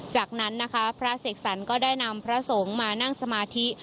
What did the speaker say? จากนั้นนะคะพระเสกสรรก็ได้นำพระสงฆ์มานั่งสมาธิ